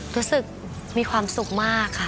รู้สึกมีความสุขมากค่ะ